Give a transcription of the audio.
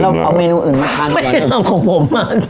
กันเอาแมนูอื่นมาคันก่อนไม่ต้องของผม